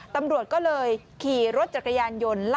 ตำรวจก็เลยขี่รถจักรยานยนต์